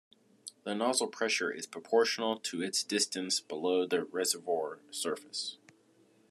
The nozzle pressure is proportional to its distance below the reservoir surface.